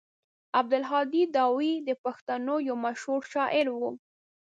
عبدالهادي داوي د پښتنو يو مشهور شاعر و.